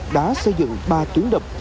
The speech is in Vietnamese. đã xây dựng ba tuyến đập